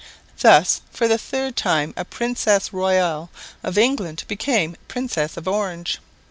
Thus for the third time a Princess Royal of England became Princess of Orange.